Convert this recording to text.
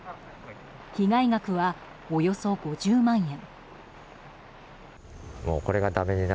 被害額はおよそ５０万円。